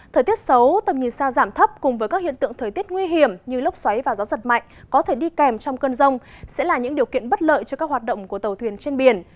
thời tiết xấu tầm nhìn xa giảm thấp cùng với các hiện tượng thời tiết nguy hiểm như lốc xoáy và gió giật mạnh có thể đi kèm trong cơn rông sẽ là những điều kiện bất lợi cho các hoạt động của tàu thuyền trên biển